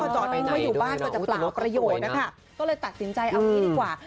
จอดทิ้งไว้อยู่บ้านก็จะเปล่าประโยชน์นะคะก็เลยตัดสินใจเอางี้ดีกว่า